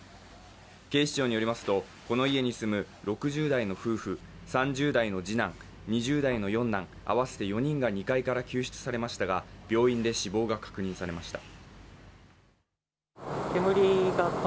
警視庁によりますと、この家に住む６０代の夫婦、３０代の次男、２０代の四男、合わせて４人が２階から救出されましたが病院で死亡が確認されました。